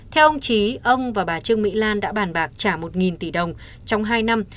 theo ông trí ông và bà trương mỹ lan đã bàn bạc trả một tỷ đồng trong hai năm